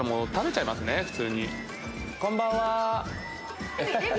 こんばんは。